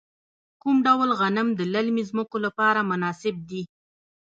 کوم ډول غنم د للمي ځمکو لپاره مناسب دي؟